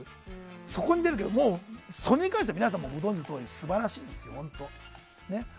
そこに出るけど、それに関しては皆さんご存じのとおり素晴らしいですよ。